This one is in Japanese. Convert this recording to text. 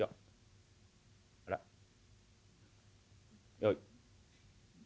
よい。